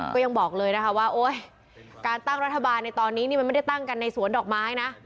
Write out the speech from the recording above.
ก็ยังบอกเลยนะคะว่าโอ๊ยการตั้งรัฐบาลในตอนนี้นี่มันไม่ได้ตั้งกันในสวนดอกไม้นะ